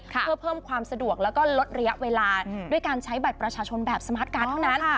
เพื่อเพิ่มความสะดวกแล้วก็ลดระยะเวลาด้วยการใช้บัตรประชาชนแบบสมาร์ทการ์เท่านั้น